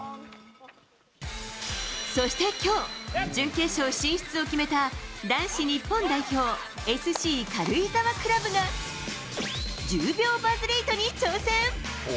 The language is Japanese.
そしてきょう、準決勝進出を決めた男子日本代表、ＳＣ軽井沢クラブが、１０秒バズリートに挑戦。